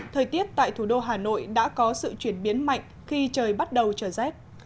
thời tiết tại thủ đô hà nội đã có sự chuyển biến mạnh khi trời bắt đầu trở rét